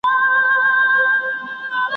لمره نن تم سه! ,